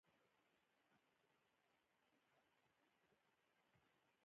یو وچ کلک هلک وو چې ملاریا یې درلوده، د جورجیا اوسېدونکی و.